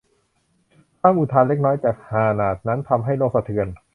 คำอุทานเล็กน้อยจากฮานาด์นั้นทำให้โลกสะเทือน